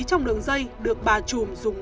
trong đường dây được bà trùm dùng